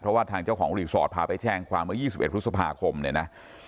เพราะว่าทางเจ้าของรีสอร์ทพาไปแจ้งความเมื่อ๒๑พฤษภาคมเนี่ยนะ